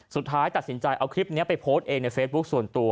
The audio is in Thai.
สุดท้ายตัดสินใจเอาคลิปนี้ไปโพสต์เองในเฟซบุ๊คส่วนตัว